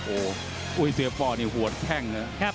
โอ้ยเสือป้อนี่หัวแท่งนะ